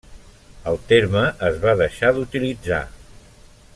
El terme es va deixar d'utilitzar.